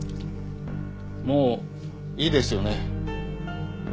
もういいですよね？